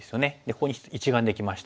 ここに一眼できました。